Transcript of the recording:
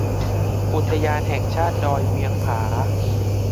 อุทยานแห่งชาติดอยเวียงผา